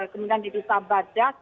kemudian di desa bajat